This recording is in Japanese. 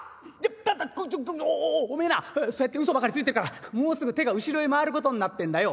やっこっちょっおおめえなそうやってうそばかりついてるからもうすぐ手が後ろへ回ることになってんだよ」。